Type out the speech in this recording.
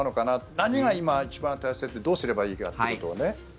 何が今、一番大切でどうすればいいかということを。